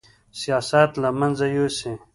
سیاست له منځه یوسي